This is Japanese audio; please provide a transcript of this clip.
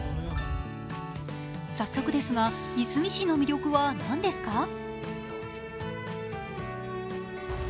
早速ですが、いすみ市の魅力は何ですか？